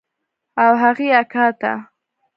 او هغې اکا ته.